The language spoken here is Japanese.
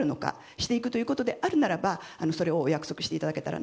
していくということであるならばそれをお話ししていただきたい。